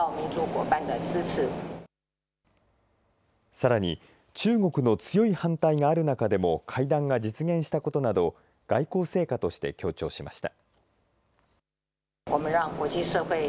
さらに中国の強い反対がある中でも会談が実現したことなどを外交成果として強調しました。